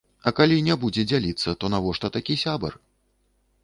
А калі не будзе дзяліцца, то навошта такі сябар?